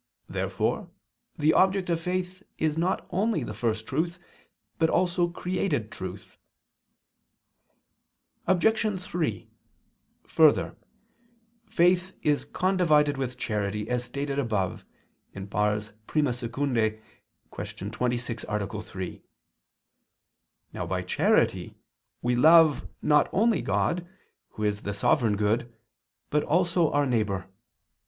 Therefore the object of faith is not only the First Truth, but also created truth. Obj. 3: Further, faith is condivided with charity, as stated above (I II, Q. 62, A. 3). Now by charity we love not only God, who is the sovereign Good, but also our neighbor.